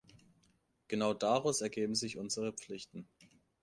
Genau daraus ergeben sich unsere Pflichten.